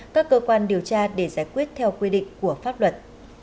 các cơ quan điều tra để giải quyết theo quy định của pháp luật